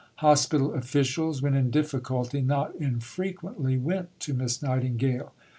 Hospital officials, when in difficulty, not infrequently "went to Miss Nightingale."